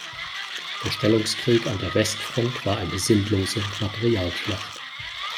Der Stellungskrieg an der Westfront war eine sinnlose Materialschlacht.